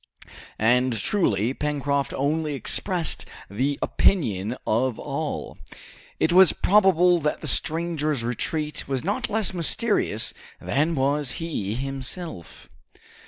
And truly Pencroft only expressed the opinion of all. It was probable that the stranger's retreat was not less mysterious than was he himself.